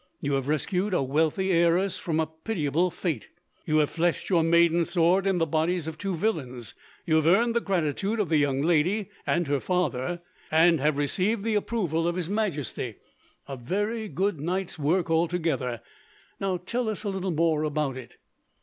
"You have rescued a wealthy heiress from a pitiable fate. You have fleshed your maiden sword in the bodies of two villains. You have earned the gratitude of the young lady and her father, and have received the approval of His Majesty a very good night's work, altogether. Now, tell us a little more about it."